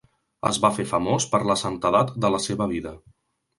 Es va fer famós per la santedat de la seva vida.